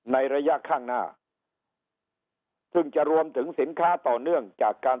ในระยะข้างหน้าซึ่งจะรวมถึงสินค้าต่อเนื่องจากการ